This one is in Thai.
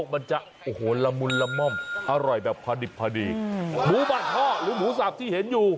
มันไม่เข้มข้น